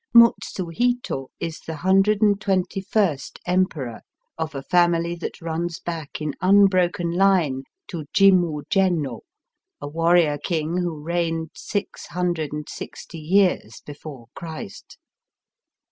Mutsu Hito is the hundred and twenty first Emperor of a family that runs back in unbroken line to Jimmu Jenno, a warrior king who reigned six hundred and sixty years before Christ.